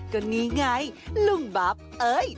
ก็นี่ไงลุงบับเอ้ย